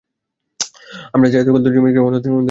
আমরা যা এতকাল ধরে জমিয়েছি আমাদের উপরেই তা খরচ হবে।